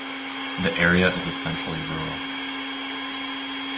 The area is essentially rural.